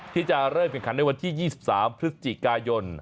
ที่จะเริ่มแข่งขันในวันที่๒๓พฤศจิกายน